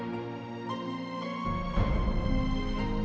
terima kasih kak kanda